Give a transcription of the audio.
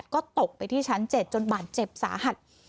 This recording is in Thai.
ก็ตกไปที่ชั้น๗จนบาดเจ็บสาหัส